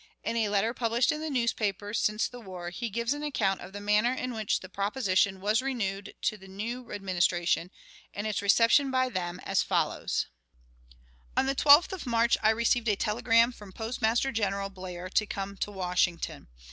In a letter published in the newspapers since the war, he gives an account of the manner in which the proposition was renewed to the new Administration and its reception by them, as follows: "On the 12th of March I received a telegram from Postmaster General Blair to come to Washington.